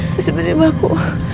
terus tiba tiba aku